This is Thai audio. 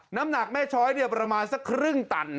น้ำหนักแม่ช้อยประมาณสักครึ่งตัน